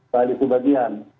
balik ke bagian